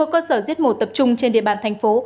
một mươi cơ sở giết mổ tập trung trên địa bàn thành phố